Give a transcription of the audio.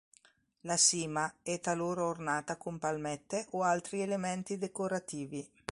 La sima è talora ornata con palmette o altri elementi decorativi.